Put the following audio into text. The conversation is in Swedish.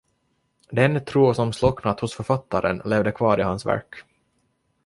Den tro som slocknat hos författaren levde kvar i hans verk.